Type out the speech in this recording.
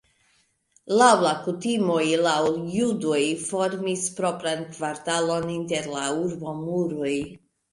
Laŭ la kutimoj la judoj formis propran kvartalon inter la urbomuroj.